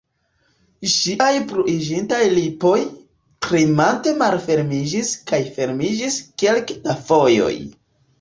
Ŝiaj bluiĝintaj lipoj, tremante malfermiĝis kaj fermiĝis kelke da fojoj.